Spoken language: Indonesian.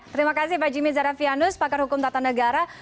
terima kasih pak jimm zarafianus pakar hukum tata negara